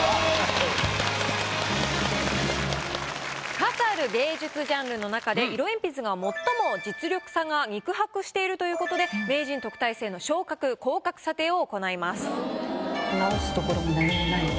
数ある芸術ジャンルの中で色鉛筆が最も実力差が肉薄しているということで名人・特待生の昇格・降格査定を行います。